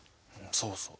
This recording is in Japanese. そうそう。